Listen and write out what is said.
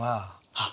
あっ！